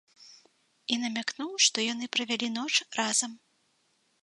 І намякнуў, што яны правялі ноч разам.